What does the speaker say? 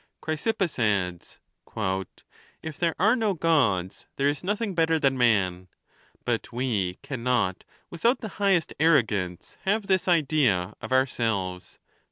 Chrysippus adds, " If there are no Gods, there is nothing better than man ; but we cannot, without the highest arrogance, have this idea of ourselves."